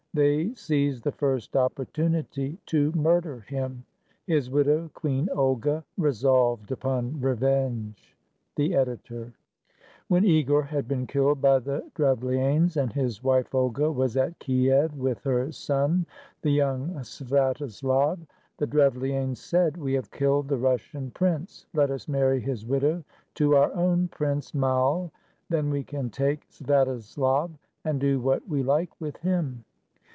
They seized the first opportunity to murder him. His widow, Queen Olga, resolved upon revenge. The Editor, \ When Igor had been killed by the Drevlianes, and his wife Olga was at Kiev with her son, the young Svato slav, the Drevlianes said, "We have killed the Russian prince; let us marry his widow to our own prince Mai, then we can take Svatoslav and do what we like with him."